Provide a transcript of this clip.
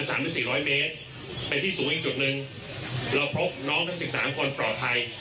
สวัสดีครับ